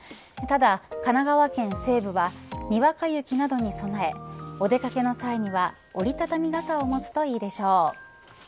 ただ神奈川県西部はにわか雪などに備えお出掛けの際には折り畳み傘を持つといいでしょう。